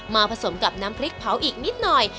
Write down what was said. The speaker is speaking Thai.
ผสมกับน้ำพริกเผาอีกนิดหน่อย